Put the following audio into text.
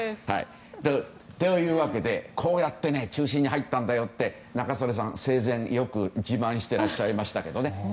というわけでこうやって中心に入ったんだよと中曽根さんは生前に自慢していらっしゃいましたけどね。